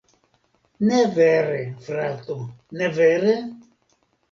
Ne vere, frato, ne vere?